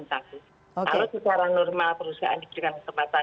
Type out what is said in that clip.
kalau secara normal perusahaan diberikan kesempatan